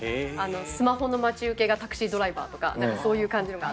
スマホの待ち受けがタクシードライバーとか何かそういう感じのがあって。